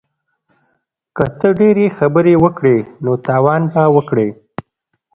که ته ډیرې خبرې وکړې نو تاوان به وکړې